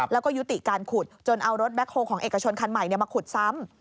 แล้วก็ยุติการขุดจนเอารถแคลของเอกชนคันใหม่มาขุดซ้ำ